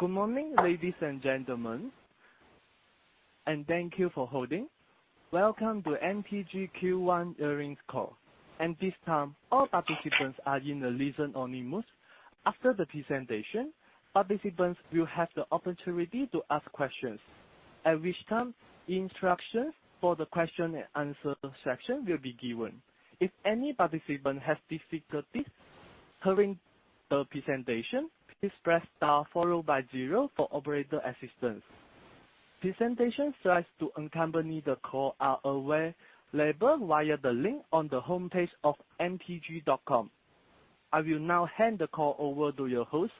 Good morning, ladies and gentlemen, and thank you for holding. Welcome to MTG Q1 Earnings Call. At this time, all participants are in a listen-only mode. After the presentation, participants will have the opportunity to ask questions, at which time the instructions for the question and answer section will be given. If any participant has difficulties hearing the presentation, please press star followed by zero for operator assistance. Presentation slides to accompany the call are available via the link on the homepage of mtg.com. I will now hand the call over to your host,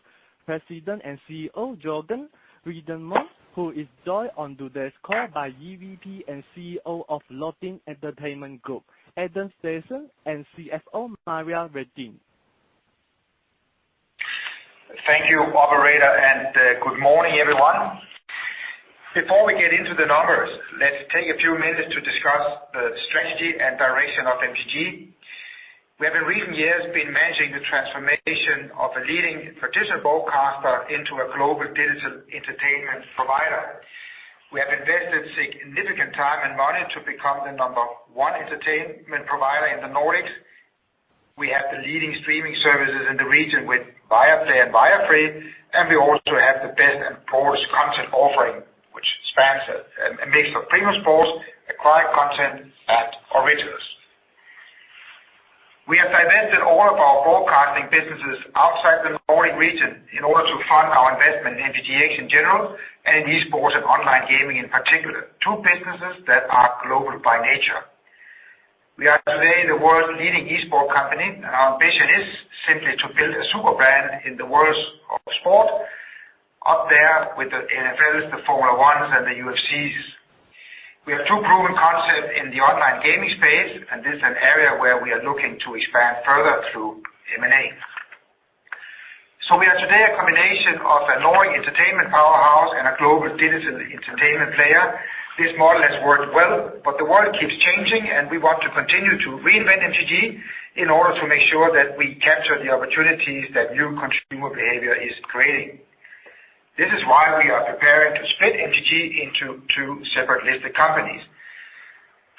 President and CEO, Jørgen Madsen, who is joined on today's call by EVP and CEO of Nordic Entertainment Group, Anders Jensen, and CFO Maria Redin. Thank you, operator. Good morning, everyone. Before we get into the numbers, let's take a few minutes to discuss the strategy and direction of MTG. We have in recent years been managing the transformation of a leading traditional broadcaster into a global digital entertainment provider. We have invested significant time and money to become the number one entertainment provider in the Nordics. We have the leading streaming services in the region with Viaplay and Viafree. We also have the best and broadest content offering, which spans a mix of premium sports, acquired content, and originals. We have divested all of our broadcasting businesses outside the Nordic region in order to fund our investment in MTGx in general and in esports and online gaming in particular, two businesses that are global by nature. We are today the world's leading esports company. Our ambition is simply to build a super brand in the world of sport up there with the NFLs, the Formula 1s, and the UFCs. We have two proven concepts in the online gaming space. This is an area where we are looking to expand further through M&A. We are today a combination of a Nordic entertainment powerhouse and a global digital entertainment player. This model has worked well. The world keeps changing. We want to continue to reinvent MTG in order to make sure that we capture the opportunities that new consumer behavior is creating. This is why we are preparing to split MTG into two separate listed companies.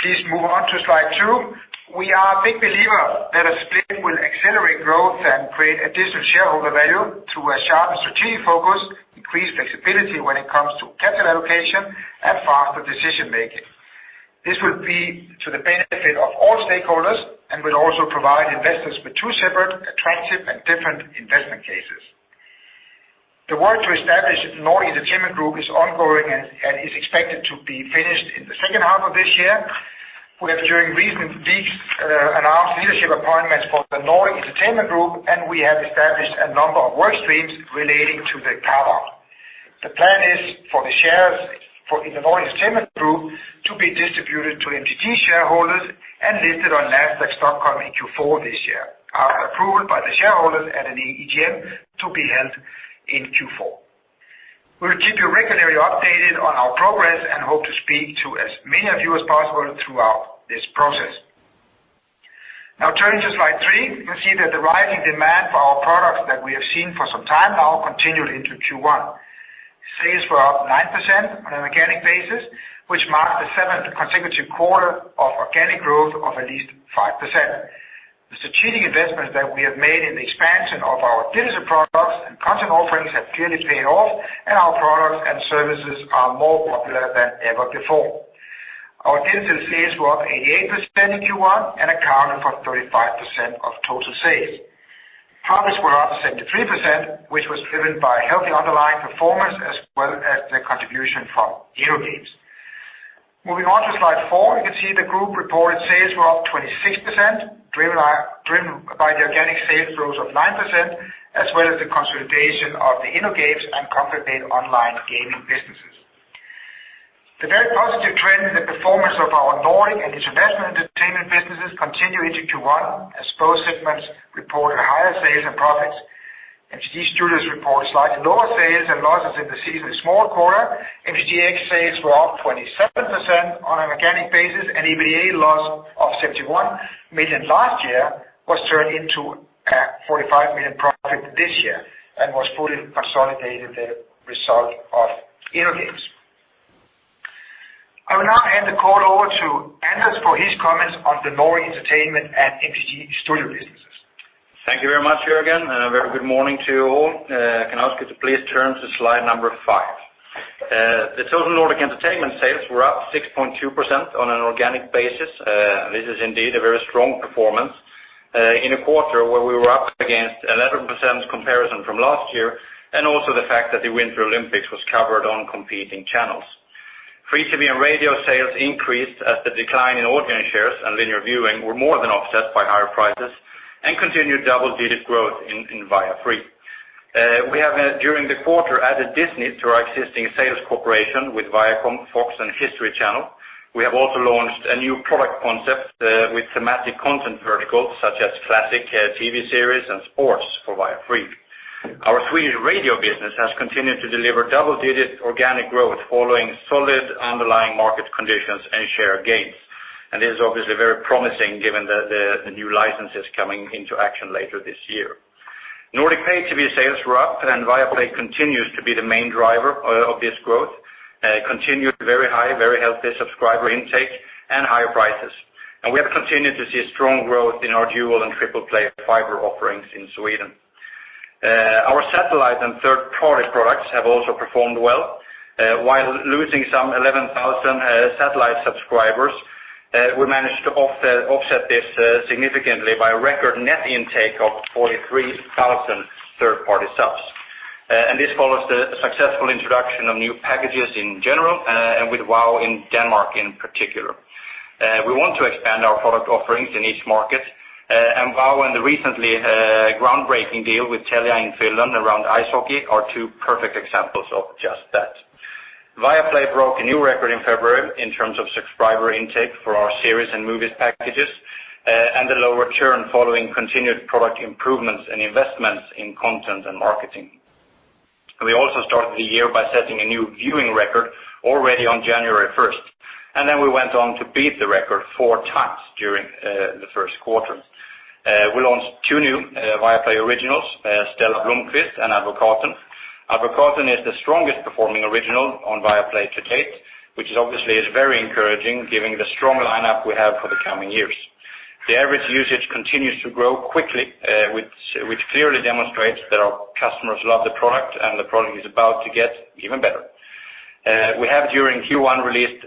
Please move on to slide two. We are a big believer that a split will accelerate growth and create additional shareholder value through a sharper strategic focus, increased flexibility when it comes to capital allocation, and faster decision-making. This will be to the benefit of all stakeholders and will also provide investors with two separate, attractive, and different investment cases. The work to establish the Nordic Entertainment Group is ongoing and is expected to be finished in the H2 of this year. We have, during recent weeks, announced leadership appointments for the Nordic Entertainment Group. We have established a number of work streams relating to the carve-out. The plan is for the shares in the Nordic Entertainment Group to be distributed to MTG shareholders and listed on Nasdaq Stockholm in Q4 this year, after approval by the shareholders at an EGM to be held in Q4. We'll keep you regularly updated on our progress and hope to speak to as many of you as possible throughout this process. Turning to slide three, you can see that the rising demand for our products that we have seen for some time now continued into Q1. Sales were up 9% on an organic basis, which marked the seventh consecutive quarter of organic growth of at least 5%. The strategic investments that we have made in the expansion of our digital products and content offerings have clearly paid off, and our products and services are more popular than ever before. Our digital sales were up 88% in Q1 and accounted for 35% of total sales. Profits were up 73%, which was driven by healthy underlying performance, as well as the contribution from InnoGames. Moving on to slide four, you can see the group reported sales were up 26%, driven by the organic sales growth of 9%, as well as the consolidation of the InnoGames and Kongregate online gaming businesses. The very positive trend in the performance of our Nordic and international entertainment businesses continued into Q1 as both segments reported higher sales and profits. MTG Studios reported slightly lower sales and losses as the season is a small quarter. MTGx sales were up 27% on an organic basis, and EBITDA loss of 71 million last year was turned into a 45 million profit this year and was fully consolidated the result of InnoGames. I will now hand the call over to Anders for his comments on the Nordic Entertainment and MTG Studios businesses. Thank you very much, Jørgen. A very good morning to you all. Can I ask you to please turn to slide number five. The total Nordic Entertainment sales were up 6.2% on an organic basis. This is indeed a very strong performance in a quarter where we were up against 11% comparison from last year, and also the fact that the Winter Olympics was covered on competing channels. Free-to-view radio sales increased as the decline in audience shares and linear viewing were more than offset by higher prices and continued double-digit growth in Viafree. We have, during the quarter, added Disney to our existing sales cooperation with Viacom, Fox, and History. We have also launched a new product concept with thematic content verticals such as classic TV series and sports for Viafree. Our Swedish radio business has continued to deliver double-digit organic growth following solid underlying market conditions and share gains. It is obviously very promising given the new licenses coming into action later this year. Nordic pay TV sales were up, and Viaplay continues to be the main driver of this growth. Continued very high, very healthy subscriber intake and higher prices. We have continued to see strong growth in our dual and triple play fiber offerings in Sweden. Our satellite and third-party products have also performed well. While losing some 11,000 satellite subscribers, we managed to offset this significantly by a record net intake of 43,000 third-party subs. This follows the successful introduction of new packages in general, and with YouSee in Denmark in particular. We want to expand our product offerings in each market, and VOW and the recently groundbreaking deal with Telia in Finland around ice hockey are two perfect examples of just that. Viaplay broke a new record in February in terms of subscriber intake for our series and movies packages, and a lower churn following continued product improvements and investments in content and marketing. We also started the year by setting a new viewing record already on January 1, and then we went on to beat the record four times during the Q1. We launched two new Viaplay originals, "Sthlm Rekviem" and "Advokaten." "Advokaten" is the strongest performing original on Viaplay to date, which obviously is very encouraging given the strong lineup we have for the coming years. The average usage continues to grow quickly, which clearly demonstrates that our customers love the product, and the product is about to get even better. We have during Q1 released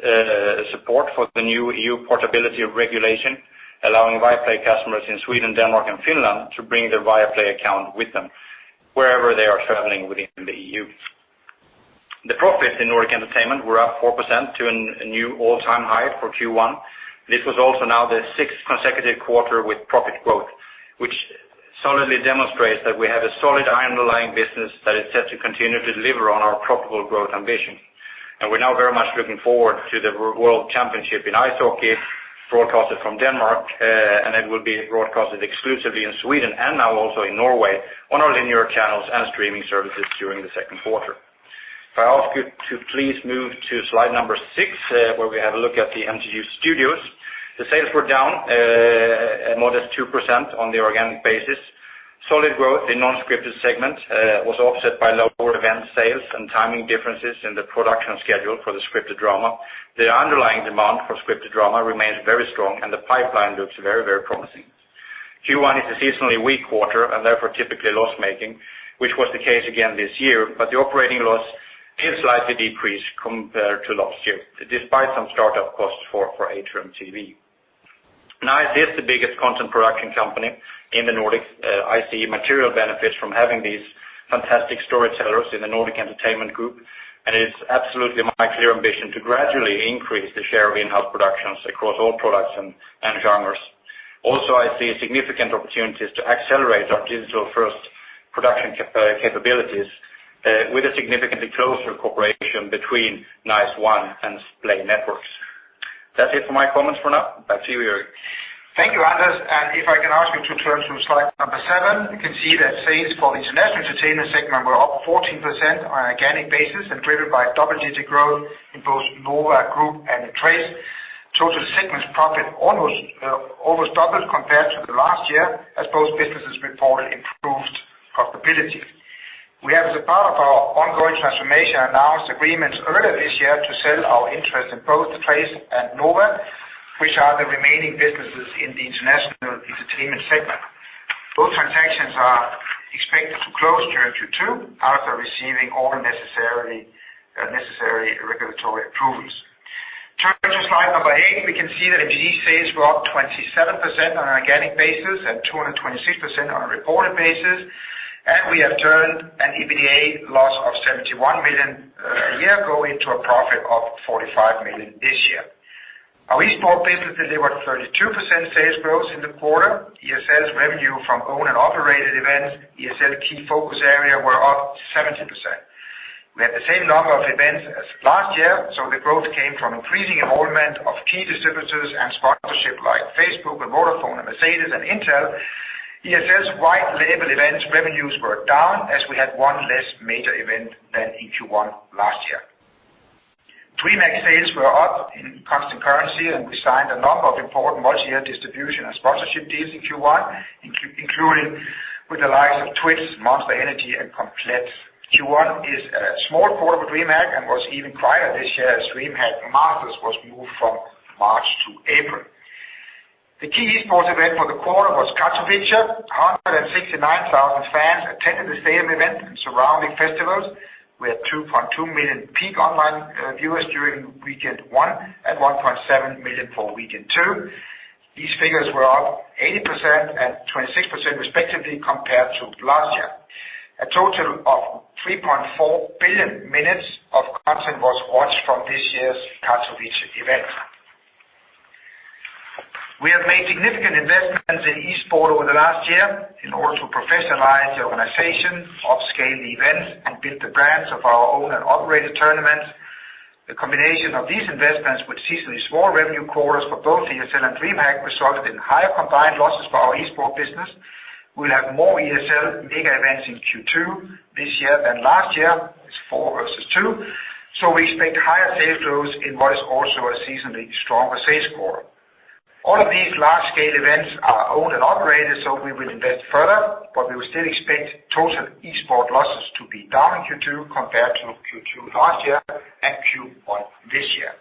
support for the new EU portability regulation, allowing Viaplay customers in Sweden, Denmark and Finland to bring their Viaplay account with them wherever they are traveling within the EU. The profits in Nordic Entertainment were up 4% to a new all-time high for Q1. This was also now the sixth consecutive quarter with profit growth, which solidly demonstrates that we have a solid underlying business that is set to continue to deliver on our profitable growth ambition. We're now very much looking forward to the World Championship in ice hockey, broadcasted from Denmark, and it will be broadcasted exclusively in Sweden and now also in Norway on our linear channels and streaming services during the Q2. If I ask you to please move to slide number six, where we have a look at the MTG Studios. The sales were down a modest 2% on the organic basis. Solid growth in non-scripted segment was offset by lower event sales and timing differences in the production schedule for the scripted drama. The underlying demand for scripted drama remains very strong and the pipeline looks very promising. Q1 is a seasonally weak quarter and therefore typically loss-making, which was the case again this year, but the operating loss did slightly decrease compared to last year, despite some start-up costs for Atrium TV. Now it is the biggest content production company in the Nordics. I see material benefits from having these fantastic storytellers in the Nordic Entertainment Group, and it's absolutely my clear ambition to gradually increase the share of in-house productions across all products and genres. Also, I see significant opportunities to accelerate our digital-first production capabilities with a significantly closer cooperation between Nice One and Splay Networks. That's it for my comments for now. Back to you, Jørgen. Thank you, Anders. If I can ask you to turn to slide number seven. You can see that sales for the International Entertainment segment were up 14% on an organic basis and driven by double-digit growth in both Nova Group and Trace. Total segment profit almost doubled compared to the last year as both businesses reported improved profitability. We have, as a part of our ongoing transformation, announced agreements earlier this year to sell our interest in both Trace and Nova, which are the remaining businesses in the International Entertainment segment. Both transactions are expected to close during Q2 after receiving all necessary regulatory approvals. Turn to slide number eight. We can see that MTGx sales were up 27% on an organic basis and 226% on a reported basis. We have turned an EBITDA loss of 71 million a year ago into a profit of 45 million this year. Our Esports business delivered 32% sales growth in the quarter. ESL's revenue from owned and operated events, ESL key focus area, were up 17%. We had the same number of events as last year, so the growth came from increasing involvement of key distributors and sponsorship like Facebook, Vodafone, Mercedes, and Intel. ESL's white label events revenues were down as we had one less major event than in Q1 last year. DreamHack sales were up in constant currency. We signed a number of important multi-year distribution and sponsorship deals in Q1, including with the likes of Twitch, Monster Energy, and Komplett. Q1 is a small quarter for DreamHack and was even quieter this year as DreamHack Masters was moved from March to April. The key Esports event for the quarter was Katowice. 169,000 fans attended the stadium event and surrounding festivals. We had 2.2 million peak online viewers during weekend one and 1.7 million for weekend two. These figures were up 80% and 26% respectively compared to last year. A total of 3.4 billion minutes of content was watched from this year's Katowice event. We have made significant investments in Esports over the last year in order to professionalize the organization, upscale the events, and build the brands of our own and operated tournaments. The combination of these investments with seasonally small revenue quarters for both ESL and DreamHack resulted in higher combined losses for our Esports business. We will have more ESL mega events in Q2 this year than last year. It is 4 versus 2. We expect higher sales growth in what is also a seasonally stronger sales quarter. All of these large-scale events are owned and operated. We will invest further, but we will still expect total Esports losses to be down in Q2 compared to Q2 last year and Q1 this year.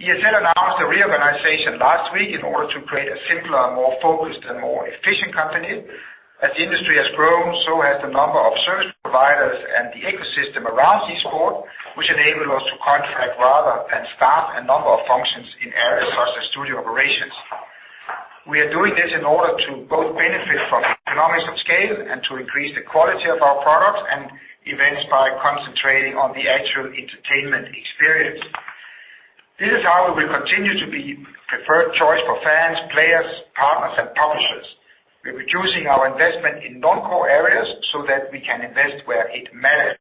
ESL announced a reorganization last week in order to create a simpler, more focused, and more efficient company. As the industry has grown, so has the number of service providers and the ecosystem around Esports, which enable us to contract rather than staff a number of functions in areas such as studio operations. We are doing this in order to both benefit from economics of scale and to increase the quality of our products and events by concentrating on the actual entertainment experience. This is how we will continue to be preferred choice for fans, players, partners, and publishers. We are reducing our investment in non-core areas so that we can invest where it matters.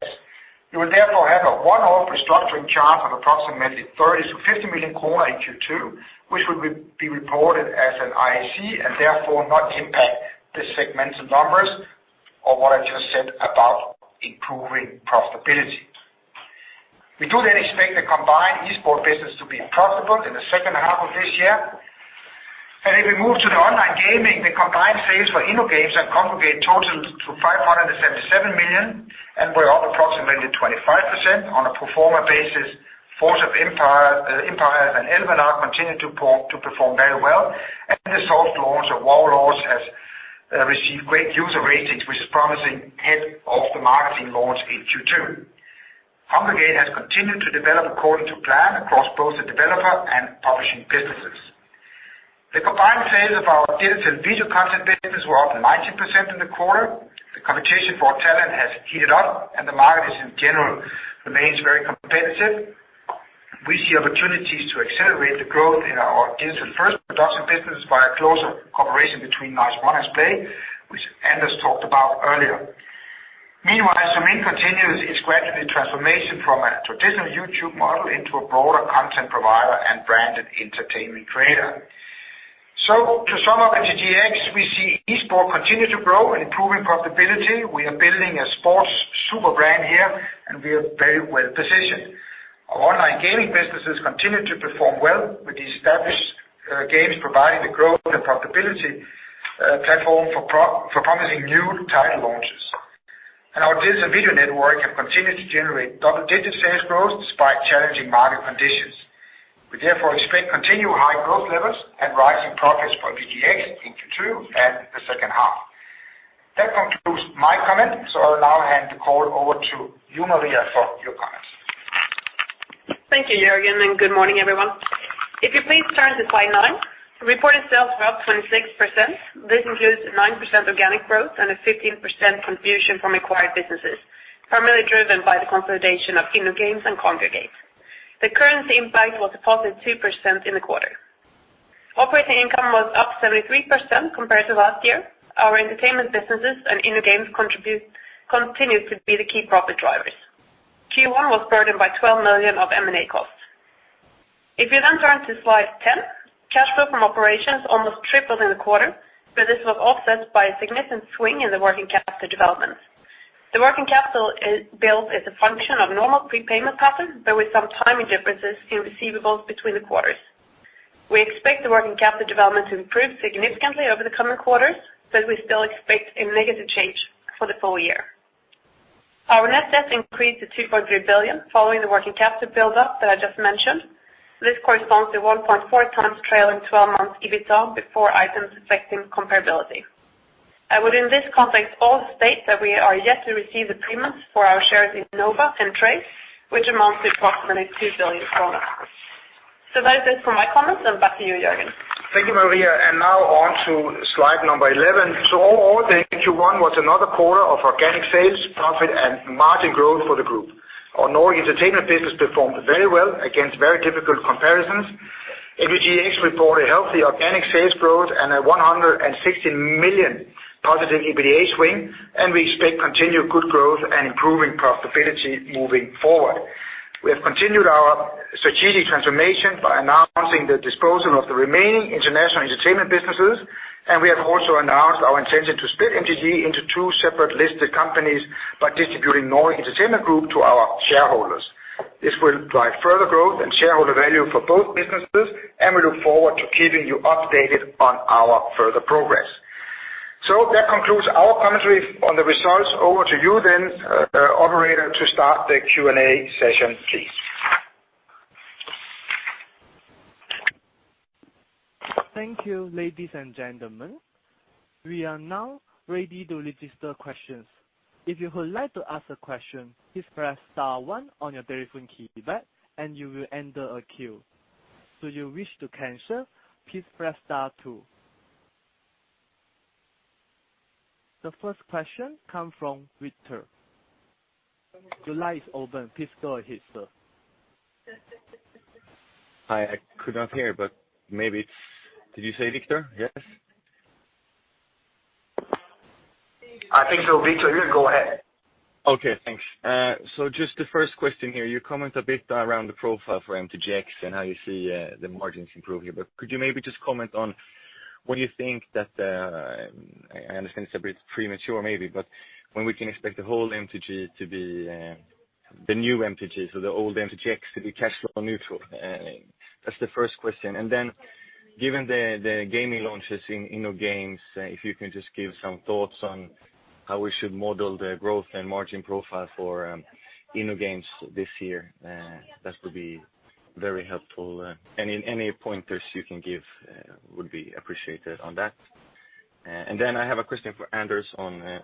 We will therefore have a one-off restructuring charge of approximately 30 million-50 million kronor in Q2, which will be reported as an IAC and therefore not impact the segmental numbers or what I just said about improving profitability. We do then expect the combined esports business to be profitable in the H2 of this year. If we move to the online gaming, the combined sales for InnoGames and Kongregate totaled to 577 million, and were up approximately 25% on a pro forma basis. Forge of Empires and Elvenar continued to perform very well, and the soft launch of Warlords has received great user ratings, which is promising ahead of the marketing launch in Q2. Kongregate has continued to develop according to plan across both the developer and publishing businesses. The combined sales of our digital video content business were up 19% in the quarter. The competition for talent has heated up, and the market in general remains very competitive. We see opportunities to accelerate the growth in our digital-first production business via closer cooperation between Nice One and Splay, which Anders talked about earlier. Meanwhile, Zoomin.TV continues its gradual transformation from a traditional YouTube model into a broader content provider and branded entertainment creator. To sum up MTGx, we see esports continue to grow and improving profitability. We are building a sports super brand here, and we are very well-positioned. Our online gaming businesses continue to perform well with the established games providing the growth and profitability platform for promising new title launches. Our digital video network have continued to generate double-digit sales growth despite challenging market conditions. We therefore expect continued high growth levels and rising profits for MTGx in Q2 and the H2. That concludes my comments, I'll now hand the call over to you, Maria, for your comments. Thank you, Jørgen, and good morning, everyone. If you please turn to slide nine. Reported sales were up 26%. This includes 9% organic growth and a 15% contribution from acquired businesses, primarily driven by the consolidation of InnoGames and Kongregate. The currency impact was a positive 2% in the quarter. Operating income was up 73% compared to last year. Our entertainment businesses and InnoGames continued to be the key profit drivers. Q1 was burdened by 12 million of M&A costs. If you then turn to slide 10, cash flow from operations almost tripled in the quarter, this was offset by a significant swing in the working capital development. The working capital build is a function of normal prepayment patterns, with some timing differences in receivables between the quarters. We expect the working capital development to improve significantly over the coming quarters, but we still expect a negative change for the full year. Our net debt increased to 2.3 billion, following the working capital buildup that I just mentioned. This corresponds to 1.4 times trailing 12 months EBITA before Items Affecting Comparability. I would, in this context, also state that we are yet to receive the payments for our shares in Nova and Trace, which amounts to approximately 2 billion kronor. That is it for my comments, and back to you, Jørgen. All in Q1 was another quarter of organic sales, profit, and margin growth for the group. Our Nordic entertainment business performed very well against very difficult comparisons. MTGx reported healthy organic sales growth and a 160 million positive EBITDA swing, and we expect continued good growth and improving profitability moving forward. We have continued our strategic transformation by announcing the disposal of the remaining international entertainment businesses, and we have also announced our intention to split MTG into two separate listed companies by distributing Nordic Entertainment Group to our shareholders. This will drive further growth and shareholder value for both businesses, and we look forward to keeping you updated on our further progress. That concludes our commentary on the results. Over to you then, operator, to start the Q&A session, please. Thank you, ladies and gentlemen. We are now ready to register questions. If you would like to ask a question, please press star one on your telephone keypad and you will enter a queue. Should you wish to cancel, please press star two. The first question comes from Victor. Your line is open. Please go ahead, sir. Hi, I could not hear, but maybe Did you say Victor? Yes? I think so, Victor. You go ahead. Okay, thanks. Just the first question here, you comment a bit around the profile for MTGx and how you see the margins improve here. Could you maybe just comment on when you think that, I understand it's a bit premature maybe, when we can expect the whole MTG to be the new MTG, so the old MTGx to be cash flow neutral? That's the first question. Given the gaming launches in InnoGames, if you can just give some thoughts on how we should model the growth and margin profile for InnoGames this year, that would be very helpful. Any pointers you can give would be appreciated on that. I have a question for Anders on,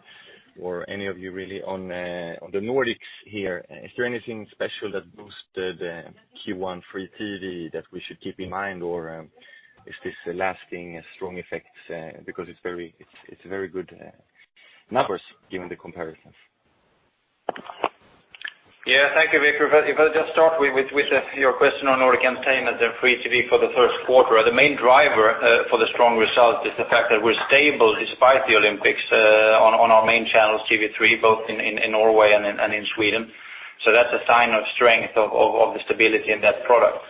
or any of you really, on the Nordics here. Is there anything special that boosted the Q1 free TV that we should keep in mind, or is this a lasting strong effect because it's very good numbers given the comparisons? Yeah, thank you, Victor. If I just start with your question on Nordic Entertainment and free TV for the Q1. The main driver for the strong result is the fact that we're stable despite the Olympics, on our main channels, TV3, both in Norway and in Sweden. That's a sign of strength of the stability in that product.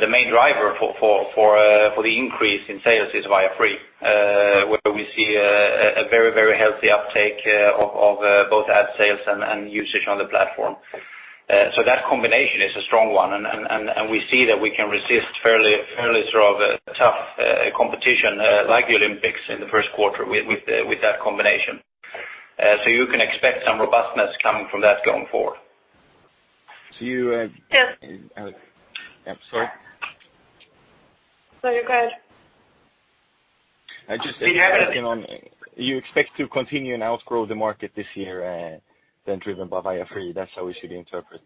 The main driver for the increase in sales is Viaplay, where we see a very healthy uptake of both ad sales and usage on the platform. That combination is a strong one, and we see that we can resist fairly tough competition like the Olympics in the Q1 with that combination. You can expect some robustness coming from that going forward. Do you- Yes. I'm sorry. No, you're good. You expect to continue and outgrow the market this year than driven by Viaplay. That's how we should interpret.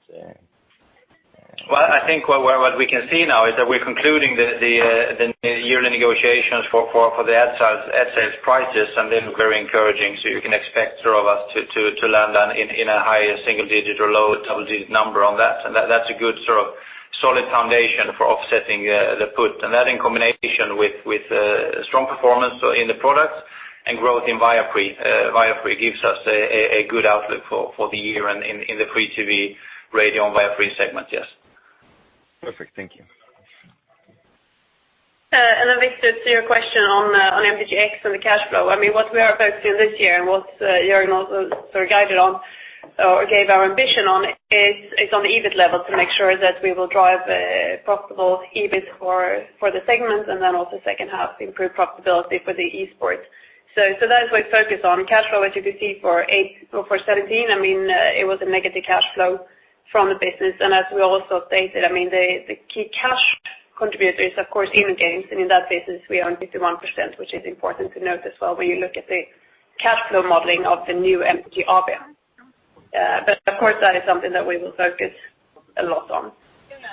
Well, I think what we can see now is that we're concluding the yearly negotiations for the ad sales prices, they look very encouraging. You can expect us to land in a higher single digit or low double digit number on that. That's a good solid foundation for offsetting the put. That in combination with strong performance in the products and growth in Viaplay gives us a good outlook for the year and in the free TV radio and Viaplay segment, yes. Perfect. Thank you. Victor, to your question on MTGx and the cash flow, what we are focused on this year and what Jørgen also guided on or gave our ambition on is on the EBIT level to make sure that we will drive a profitable EBIT for the segment and then also H2 improve profitability for the esports. That is what focus on cash flow, as you could see for 2017, it was a negative cash flow from the business. As we also stated, the key cash contributors, of course, InnoGames, and in that business we own 51%, which is important to note as well when you look at the cash flow modeling of the new MTG AB. Of course, that is something that we will focus a lot on.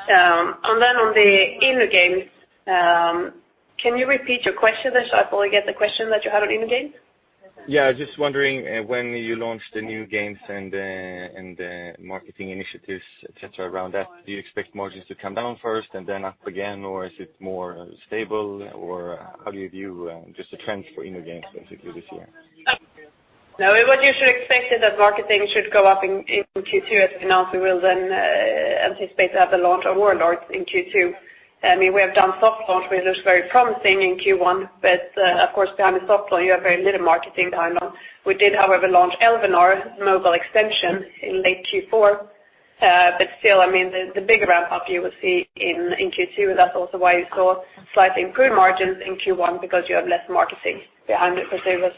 On the InnoGames, can you repeat your question there so I fully get the question that you had on InnoGames? Yeah, just wondering when you launch the new games and the marketing initiatives, et cetera, around that, do you expect margins to come down first and then up again, or is it more stable, or how do you view just the trends for InnoGames basically this year? No, what you should expect is that marketing should go up in Q2. As we announced, we will then anticipate to have the launch of Warlords in Q2. We have done soft launch, which looks very promising in Q1, but of course, behind the soft launch, you have very little marketing behind them. We did, however, launch Elvenar mobile extension in late Q4. Still, the big ramp-up you will see in Q2. That's also why you saw slightly improved margins in Q1 because you have less marketing behind it, because there was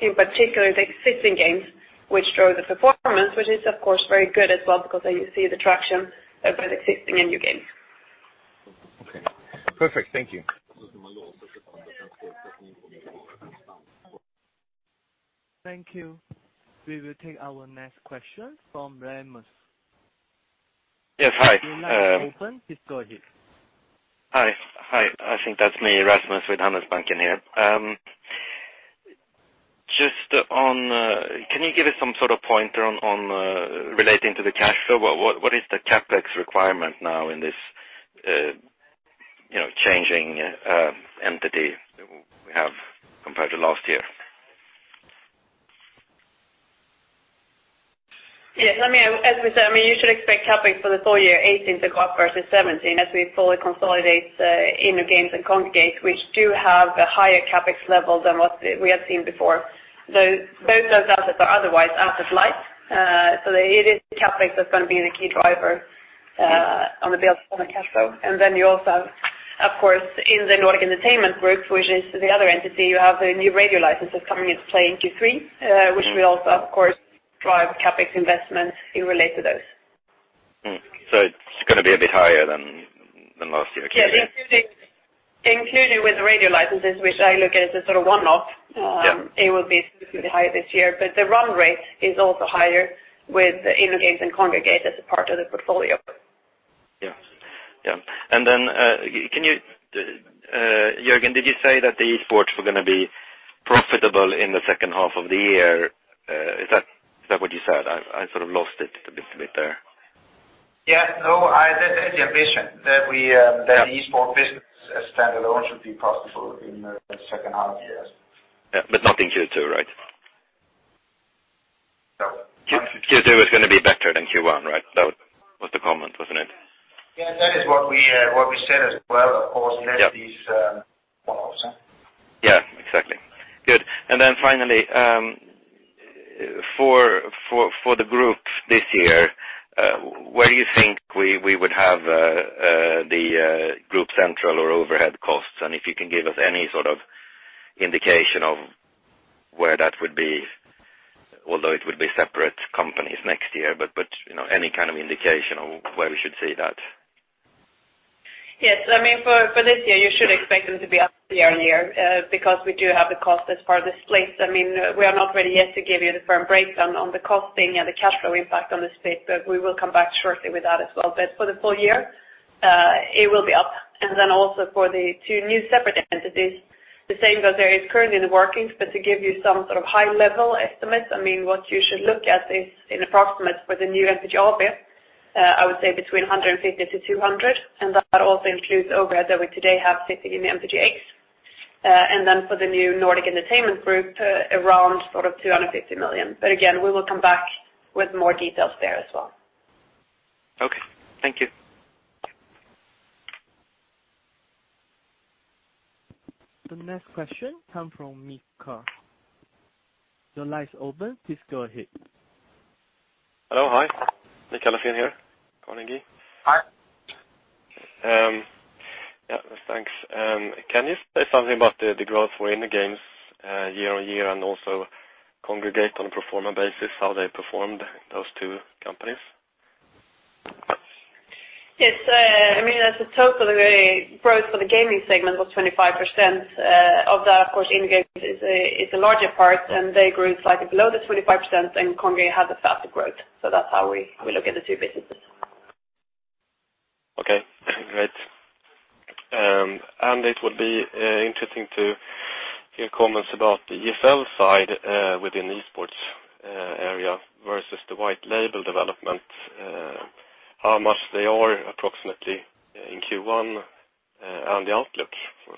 in particular the existing games which drove the performance, which is of course very good as well because then you see the traction of both existing and new games. Okay. Perfect. Thank you. Thank you. We will take our next question from Rasmus. Yes. Hi. Your line is open. Please go ahead. Hi. I think that's me, Rasmus with Handelsbanken here. Can you give us some sort of pointer relating to the cash flow? What is the CapEx requirement now in this changing entity we have compared to last year? Yes, as we said, you should expect CapEx for the full year 2018 to go up versus 2017 as we fully consolidate InnoGames and Kongregate, which do have a higher CapEx level than what we have seen before. Those assets are otherwise asset light. It is CapEx that's going to be the key driver on the build on the cash flow. You also have, of course, in the Nordic Entertainment Group, which is the other entity, you have the new radio licenses coming into play in Q3 which will also, of course, drive CapEx investments in relate to those. It is going to be a bit higher than last year. Okay. Yes, including with the radio licenses, which I look at as a sort of one-off. Yeah It will be significantly higher this year. The run rate is also higher with InnoGames and Kongregate as a part of the portfolio. Yeah. Jørgen, did you say that the esports were going to be profitable in the H2 of the year? Is that what you said? I sort of lost it a bit there. That is the ambition that the esports business as standalone should be possible in the H2 of the year. Not in Q2, right? No. Q2 is going to be better than Q1, right? That was the comment, wasn't it? That is what we said as well. Of course, that is one-offs. Yeah, exactly. Good. Finally, for the group this year, where do you think we would have the group central or overhead costs? If you can give us any sort of indication of where that would be, although it would be separate companies next year, but any kind of indication on where we should see that? Yes. For this year, you should expect them to be up year-on-year because we do have the cost as part of the split. We are not ready yet to give you the firm breakdown on the costing and the cash flow impact on the split. We will come back shortly with that as well. For the full year, it will be up. Also for the two new separate entities, the same goes there. It's currently in the workings. To give you some sort of high-level estimates, what you should look at is an approximate for the new MTG AB, I would say between 150 million-200 million, and that also includes overhead that we today have sitting in the MTG AB. For the new Nordic Entertainment Group, around 250 million. Again, we will come back with more details there as well. Okay. Thank you. The next question come from Mika. Your line is open. Please go ahead. Hello. Hi. Mikaela Fin here. Morning, Guy. Hi. Yeah, thanks. Can you say something about the growth for InnoGames year-on-year, and also Kongregate on a pro forma basis, how they performed, those two companies? Yes. As a total, the growth for the gaming segment was 25%. Of that, of course, InnoGames is the larger part, and they grew slightly below the 25%, and Kongregate had a faster growth. That's how we look at the two businesses. Okay, great. It would be interesting to hear comments about the ESL side within the esports area versus the white label development, how much they are approximately in Q1, and the outlook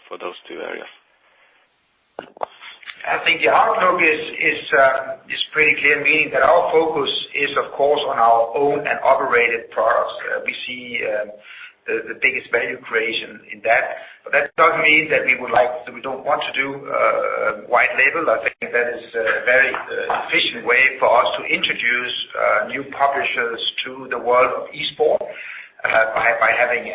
for those two areas. I think the outlook is pretty clear, meaning that our focus is of course on our owned and operated products. We see the biggest value creation in that. That doesn't mean that we don't want to do white label. I think that is a very efficient way for us to introduce new publishers to the world of esport, by having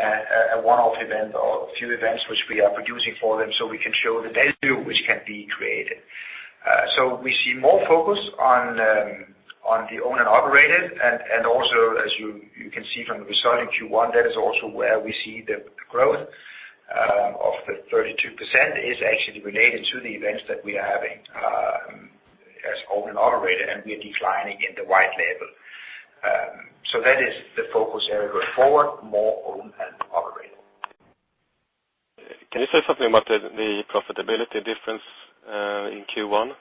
a one-off event or a few events which we are producing for them so we can show the value which can be created. We see more focus on the owned and operated, and also, as you can see from the result in Q1, that is also where we see the growth of the 32% is actually related to the events that we are having as owned and operated, and we are declining in the white label. That is the focus area going forward, more owned and operated. Can you say something about the profitability difference in Q1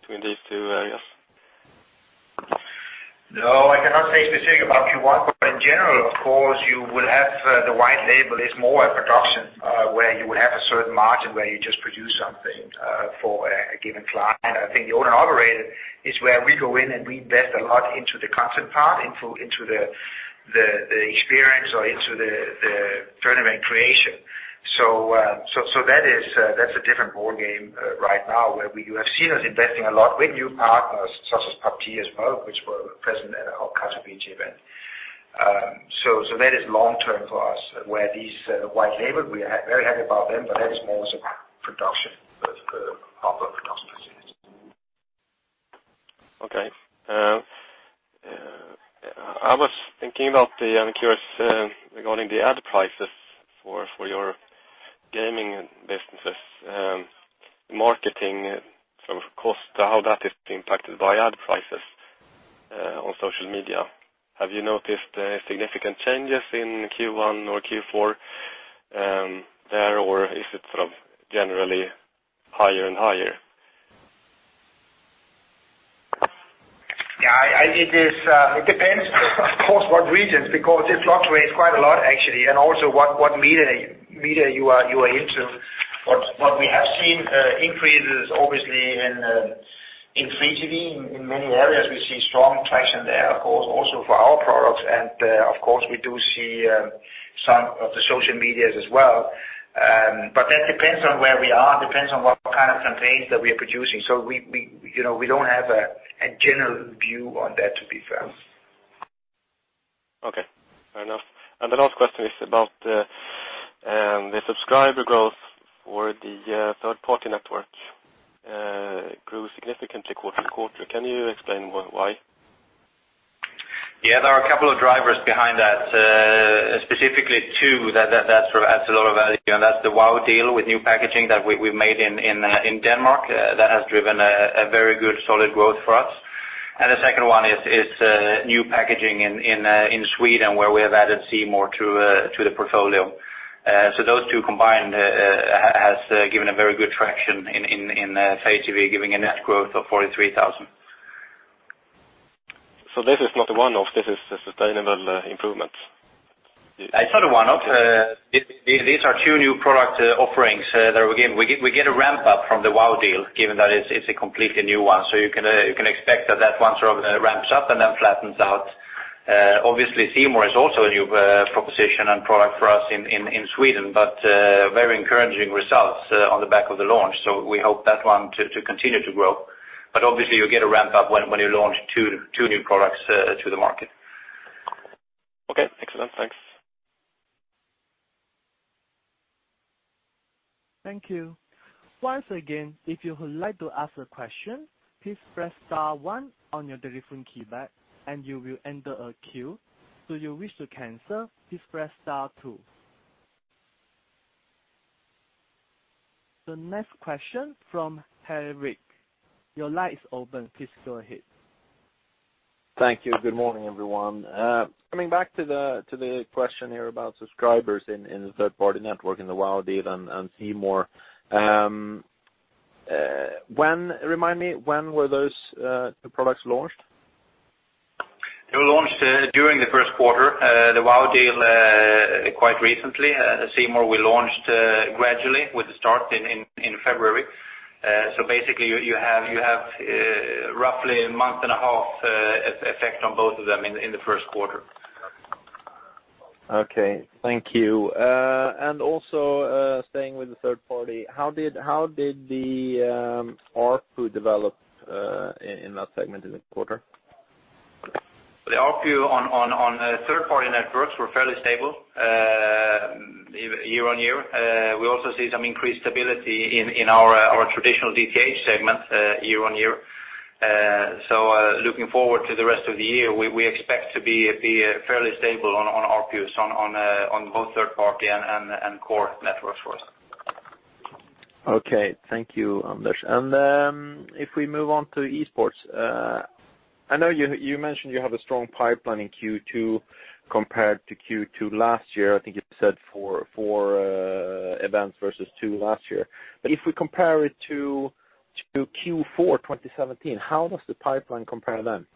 between these two areas? No, I cannot say specific about Q1, in general, of course, you will have the white label is more a production, where you would have a certain margin where you just produce something for a given client. I think the owned and operated is where we go in and we invest a lot into the content part, into the experience or into the tournament creation. That's a different ballgame right now, where you have seen us investing a lot with new partners such as PUBG as well, which were present at our Katowice event. That is long-term for us, where these white label, we are very happy about them, but that is more as a production of output production facilities. Okay. I'm curious regarding the ad prices for your gaming businesses, marketing sort of cost, how that is impacted by ad prices on social media. Have you noticed significant changes in Q1 or Q4 there, or is it sort of generally higher and higher? Yeah. It depends, of course, what regions, because it fluctuates quite a lot, actually, and also what media you are into. We have seen increases, obviously, in free TV in many areas. We see strong traction there, of course, also for our products. Of course, we do see some of the social medias as well. That depends on where we are, it depends on what kind of campaigns that we are producing. We don't have a general view on that, to be fair. Okay. Fair enough. The last question is about the subscriber growth for the third-party networks grew significantly quarter-over-quarter. Can you explain why? Yeah, there are a couple of drivers behind that. Specifically two that sort of adds a lot of value, and that's the YouSee deal with new packaging that we've made in Denmark. That has driven a very good, solid growth for us. The second one is new packaging in Sweden, where we have added C More to the portfolio. Those two combined has given a very good traction in Viasat giving a net growth of 43,000. This is not a one-off, this is a sustainable improvement? It's not a one-off. These are two new product offerings. We get a ramp-up from the YouSee deal, given that it's a completely new one. You can expect that one sort of ramps up and then flattens out. Obviously, C More is also a new proposition and product for us in Sweden, but very encouraging results on the back of the launch. We hope that one to continue to grow. Obviously you get a ramp-up when you launch two new products to the market. Okay. Excellent. Thanks. Thank you. Once again, if you would like to ask a question, please press star one on your telephone keypad and you will enter a queue. To you wish to cancel, please press star two. The next question from Per Rick. Your line is open. Please go ahead. Thank you. Good morning, everyone. Coming back to the question here about subscribers in the third-party network, in the YouSee deal and C More. Remind me, when were those products launched? They were launched during the Q1. The YouSee deal quite recently. C More we launched gradually with the start in February. Basically you have roughly a month and a half effect on both of them in the Q1. Okay. Thank you. Also staying with the third party, how did the ARPU develop in that segment in the quarter? The ARPU on third party networks were fairly stable year-on-year. We also see some increased stability in our traditional DTH segment year-on-year. Looking forward to the rest of the year, we expect to be fairly stable on ARPUs on both third party and core networks for us. Okay. Thank you, Anders. If we move on to esports, I know you mentioned you have a strong pipeline in Q2 compared to Q2 last year. I think you said four events versus two last year. If we compare it to Q4 2017, how does the pipeline compare then?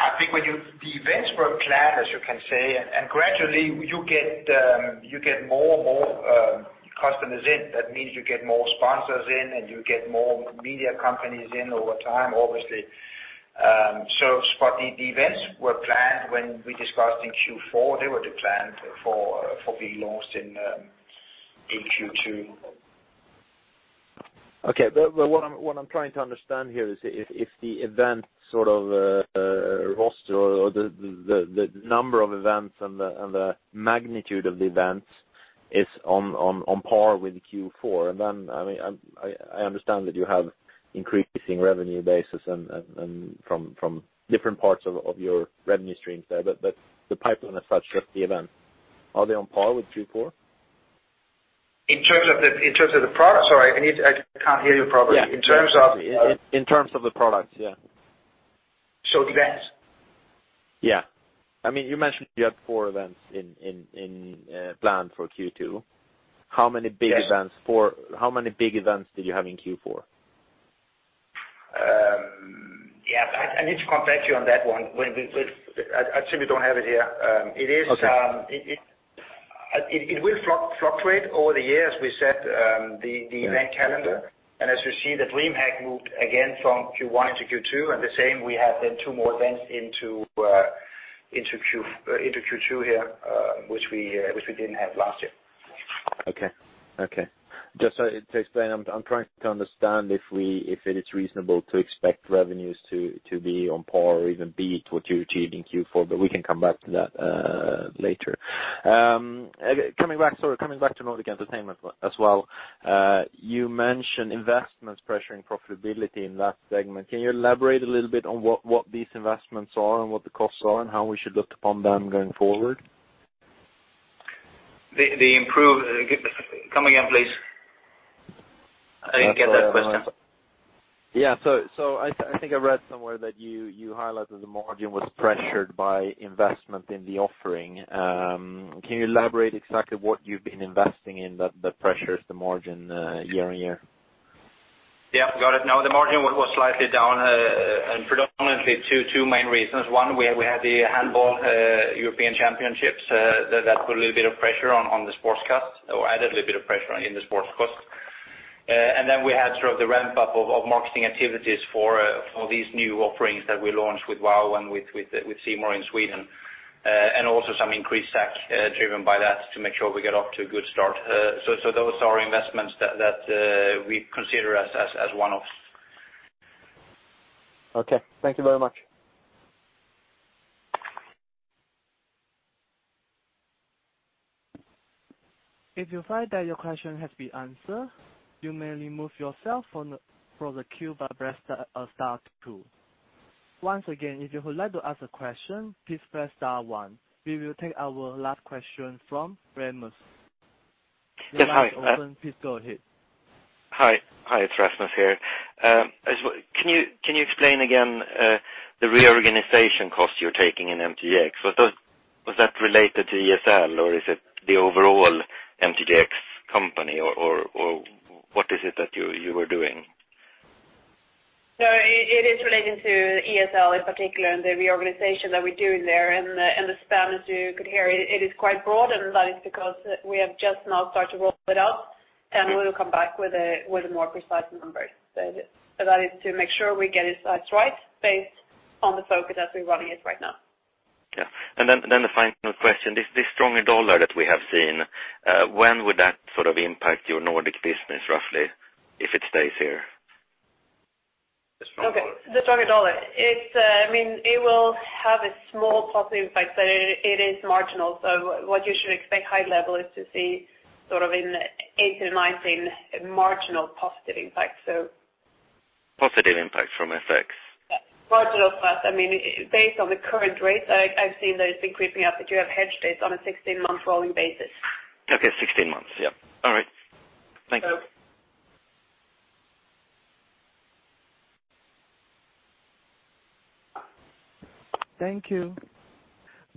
I think the events were planned, as you can say, gradually you get more customers in. That means you get more sponsors in and you get more media companies in over time, obviously. The events were planned when we discussed in Q4, they were planned for being launched in Q2. Okay. What I'm trying to understand here is if the event sort of roster or the number of events and the magnitude of the events is on par with Q4. I understand that you have increasing revenue basis and from different parts of your revenue streams there, the pipeline as such of the events, are they on par with Q4? In terms of the product? Sorry, I can't hear you properly. In terms of? In terms of the products, yeah. Events? You mentioned you had four events in plan for Q2. Yes. How many big events did you have in Q4? Yeah. I need to come back to you on that one. I actually don't have it here. Okay. It will fluctuate over the years. As you see, the DreamHack moved again from Q1 into Q2. The same, we have then two more events into Q2 here, which we didn't have last year. Okay. Just to explain, I'm trying to understand if it is reasonable to expect revenues to be on par or even beat what you achieved in Q4. We can come back to that later. Coming back to Nordic Entertainment as well. You mentioned investments pressuring profitability in that segment. Can you elaborate a little bit on what these investments are and what the costs are and how we should look upon them going forward? Come again, please. I didn't get that question. I think I read somewhere that you highlighted the margin was pressured by investment in the offering. Can you elaborate exactly what you've been investing in that pressures the margin year-on-year? Yeah. Got it. Predominantly two main reasons. One, we had the Handball European Championships. That put a little bit of pressure on the sports cast, or added a little bit of pressure in the sports cast. We had sort of the ramp-up of marketing activities for these new offerings that we launched with YouSee and with C More in Sweden, and also some increased stack driven by that to make sure we get off to a good start. Those are investments that we consider as one-offs. Okay. Thank you very much. If you find that your question has been answered, you may remove yourself from the queue by press star 2. Once again, if you would like to ask a question, please press star 1. We will take our last question from Rasmus. Your line is open. Please go ahead. Hi. It is Rasmus here. Can you explain again the reorganization cost you are taking in MTGx? Was that related to ESL, or is it the overall MTGx company, or what is it that you were doing? No, it is related to ESL in particular and the reorganization that we are doing there. The span, as you could hear, it is quite broad. That is because we have just now started to roll it out. We will come back with more precise numbers. That is to make sure we get it sized right based on the focus as we are running it right now. Yeah. The final question, this stronger dollar that we have seen, when would that impact your Nordic business, roughly, if it stays here? The strong dollar. Okay. The stronger dollar. It will have a small positive impact. It is marginal. What you should expect high level is to see sort of in 2018, 2019, marginal positive impact. Positive impact from FX? Marginal plus, based on the current rates, I've seen that it's increasing up, but you have hedge dates on a 16-month rolling basis. Okay. 16 months. Yep. All right. Thank you. Thank you.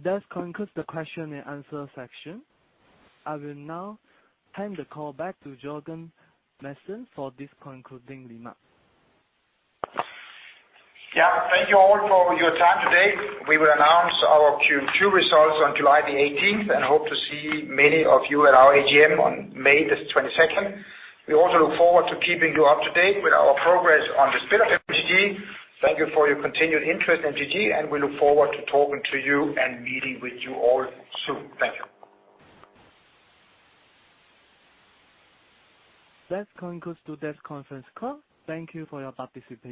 That concludes the question and answer section. I will now hand the call back to Jørgen Madsen for this concluding remark. Yeah. Thank you all for your time today. We will announce our Q2 results on July the 18th and hope to see many of you at our AGM on May the 22nd. We also look forward to keeping you up to date with our progress on the split of MTG. Thank you for your continued interest in MTG, and we look forward to talking to you and meeting with you all soon. Thank you. That concludes today's conference call. Thank you for your participation.